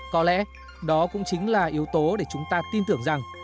có lẽ đó cũng chính là yếu tố để chúng ta tin tưởng rằng